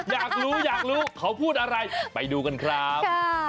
อยากรู้อยากรู้เขาพูดอะไรไปดูกันครับ